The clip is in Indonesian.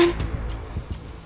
yang dimurus sama mbak andin itu